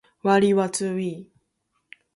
The evidence for such involvement is limited.